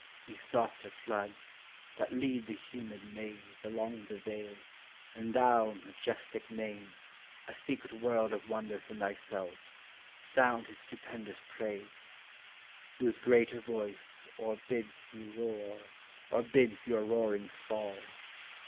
Ye softer floods, that lead the humid maze Along the vale; and thou, majestic inain, A secret world of wonders in thyself, Sound his stupendous praise, — whose greater voice Or bids von roar, or bids vour roarings fall.